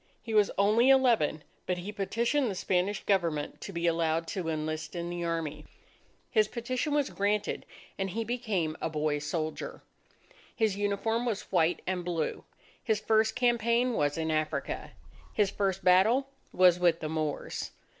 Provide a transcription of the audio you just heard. He was only eleven; but he petitioned the Spanish Government to be allowed to enlist in the army. His petition was granted, and he became a boy soldier. His uniform was white and blue. His first campaign was in Africa. His first battle was with the Moors.